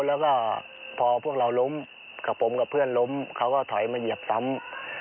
แล้วก็พอพวกเราล้มกับผมกับเพื่อนล้มเขาก็ถอยมาเหยียบซ้ำ